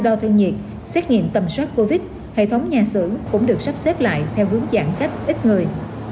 điều đo thêm nhiệt xét nghiệm tầm suất covid hệ thống nhà xưởng cũng được sắp xếp lại theo vướng giãn cách ít người